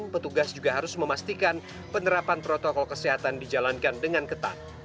petugas juga harus memastikan penerapan protokol kesehatan dijalankan dengan ketat